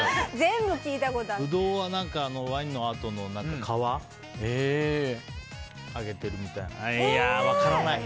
ブドウはワインのあとの皮をあげてるみたいな。